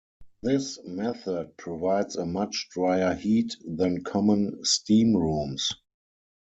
This method provides a much dryer heat than common steam rooms.